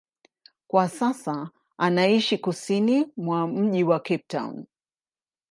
Kwa sasa anaishi kusini mwa mji wa Cape Town.